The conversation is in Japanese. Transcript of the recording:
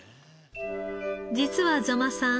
実は座間さん